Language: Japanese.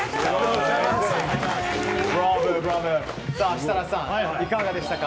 設楽さん、いかがでしたか。